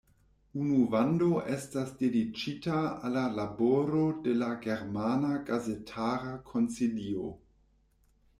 Unu vando estas dediĉita al la laboro de la Germana Gazetara Konsilio.